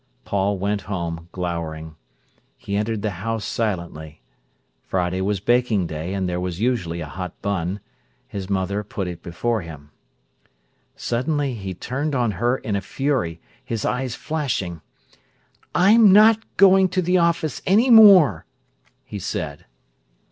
Paul went home, glowering. He entered the house silently. Friday was baking day, and there was usually a hot bun. His mother put it before him. Suddenly he turned on her in a fury, his eyes flashing: "I'm not going to the office any more," he said.